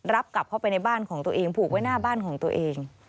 กลับเข้าไปในบ้านของตัวเองผูกไว้หน้าบ้านของตัวเอง